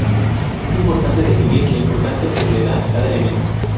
Es importante definir la importancia que se le da a cada elemento.